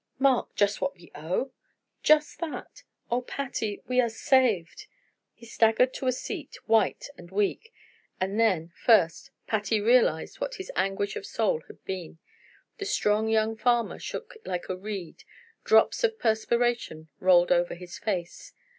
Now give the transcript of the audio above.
"Mark, just what we owe?" "Just that. Oh, Patty, we are saved!" He staggered to a seat, white and weak, and then, first, Patty realized what his anguish of soul had been. The strong young farmer shook like a reed; drops of perspiration rolled over his face.